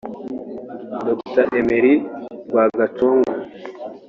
Dr Emile Rwagacongo